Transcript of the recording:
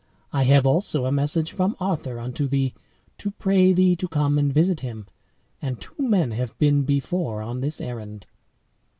I have also a message from Arthur unto thee, to pray thee to come and visit him. And two men have been before on this errand."